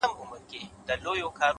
سپينه خولگۍ راپسي مه ږغوه،